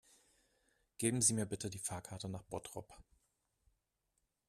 Geben Sie mir bitte die Fahrkarte nach Bottrop